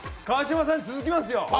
川島さんに続きますよ！